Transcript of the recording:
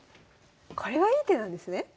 これがいい手なんですね？